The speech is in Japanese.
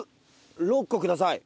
６個ください！